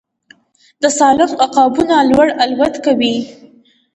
د سالنګ عقابونه لوړ الوت کوي